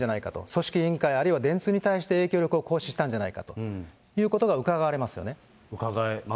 組織委員会、あるいは電通に対して、影響力を行使したんじゃないうかがえますよね。